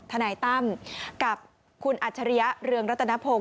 นายตั้มกับคุณอัจฉริยะเรืองรัตนพงศ